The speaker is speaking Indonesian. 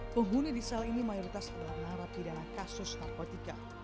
penghuni di sel ini mayoritas adalah narapidana kasus narkotika